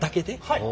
はい。